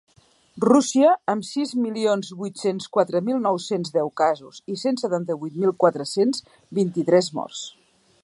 Rússia, amb sis milions vuit-cents quatre mil nou-cents deu casos i cent setanta-vuit mil quatre-cents vint-i-tres morts.